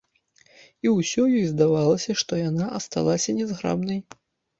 І ўсё ёй здавалася, што яна асталася нязграбнай.